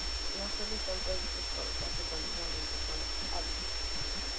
No están previstos para usarse continuamente como los aditivos.